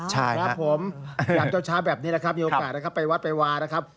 ใช่ครับผมยามเช้าแบบนี้นะครับมีโอกาสนะครับไปวัดไปวานะครับ